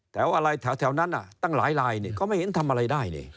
แถวอะไรแถวนั้นน่ะตั้งหลายเนี่ยก็ไม่เห็นทำอะไรได้เนี่ย